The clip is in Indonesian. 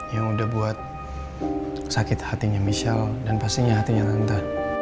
yang udah buat sakit hatinya michelle dan pastinya hatinya lantar